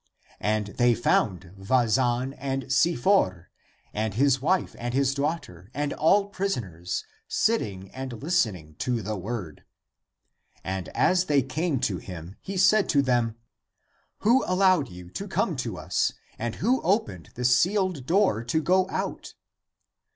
And they found Vazan and Si for and his wife and his daughter and all prisoners, sitting and listening to the word. And as they came to him, he said to them, " Who allowed you to come to us, and who opened the sealed door to go out